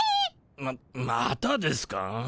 ままたですか。